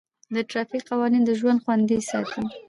د ټرافیک قوانین د ژوند خوندي ساتي.